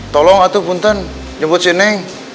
tolong aku punten jemput si neng